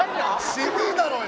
渋いだろうよ！